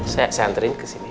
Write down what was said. saya nganterin kesini